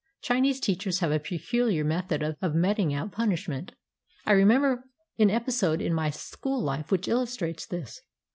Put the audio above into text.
Chinese teachers have a pecul iar method of meting out punishment. I remember an episode in my school life which illustrates this.